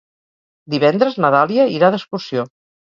Divendres na Dàlia irà d'excursió.